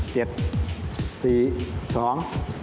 เขียนไปก่อน